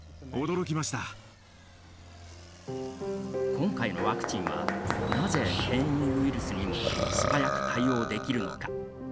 今回のワクチンはなぜ変異ウイルスにも素早く対応できるのか。